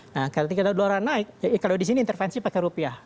nah ketika ada dolar naik kalau di sini intervensi pakai rupiah